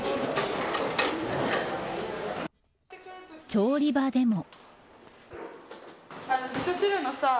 調理場でも。